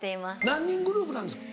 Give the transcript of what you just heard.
何人グループなんですか？